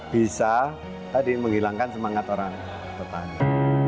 bisa menghilangkan semangat orang pertanian